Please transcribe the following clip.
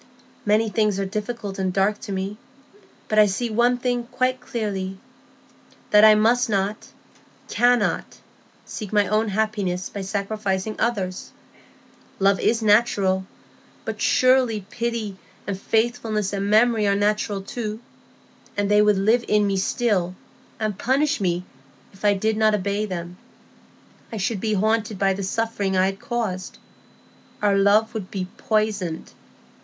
Many things are difficult and dark to me; but I see one thing quite clearly,—that I must not, cannot, seek my own happiness by sacrificing others. Love is natural; but surely pity and faithfulness and memory are natural too. And they would live in me still, and punish me if I did not obey them. I should be haunted by the suffering I had caused. Our love would be poisoned.